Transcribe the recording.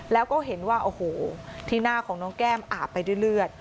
แล้วก็เห็นว่าโอ้โหที่หน้าของน้องแก้มอาบไปด้วยเลือด